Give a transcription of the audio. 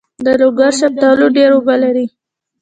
د لوګر شفتالو ډیر اوبه لري.